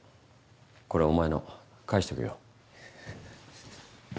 これお前の返しとくよ。